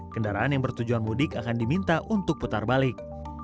kendaraan yang bertujuan mudik akan diminta untuk putar balik